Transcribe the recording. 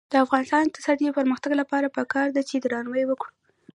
د افغانستان د اقتصادي پرمختګ لپاره پکار ده چې درناوی وکړو.